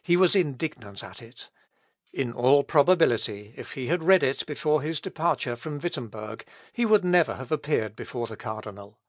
He was indignant at it. In all probability, if he had read it before his departure from Wittemberg, he would never have appeared before the cardinal.